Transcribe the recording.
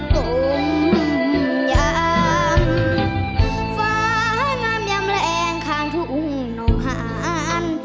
ตรงยามฟ้างามยำแรงข้างทุ่งนงหาน